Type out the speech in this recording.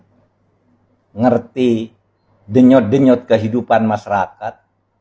mengerti denyut denyut kehidupan masyarakat